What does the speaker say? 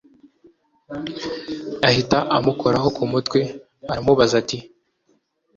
ahita amukoraho kumutwe aramubaza ati